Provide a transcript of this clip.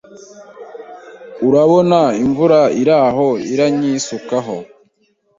Urabona imvura ihoraho iranyisukaho